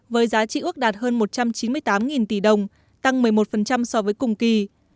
với giá trị ước đạt hơn một trăm chín mươi tám tỷ đồng tăng một mươi một so với cùng kỳ